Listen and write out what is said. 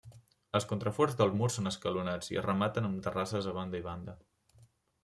Els contraforts dels murs són escalonats i es rematen amb terrasses a banda i banda.